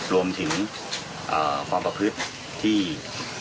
รวมถึงความประพฤทธิ์ที่ครับ